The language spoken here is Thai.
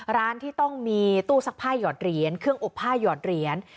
ร้านที่ต้องมีตู้ซักผ้าหยอดเหรียญเครื่องอบผ้าหยอดเหรียญ